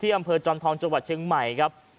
อำเภอจอมทองจังหวัดเชียงใหม่ครับ